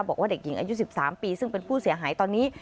บอกว่าเด็กหญิงอายุ๑๓ปีซึ่งเป็นผู้เสียหายตอนนี้